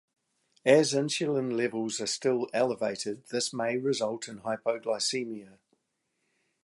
As insulin levels are still elevated this may result in hypoglycemia.